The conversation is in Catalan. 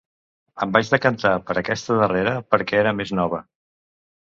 Em vaig decantar per aquesta darrera perquè era més nova.